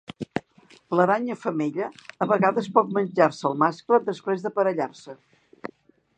L'aranya femella a vegades pot menjar-se al mascle després d'aparellar-se.